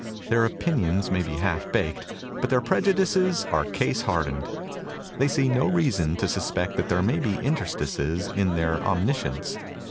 Their opinions may be half baked, but their prejudices are case hardened. They see no reason to sus pect that there may be interstices in their om niscience.